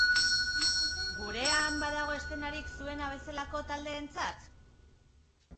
Gurean, badago eszenarik zuena bezalako taldeentzat?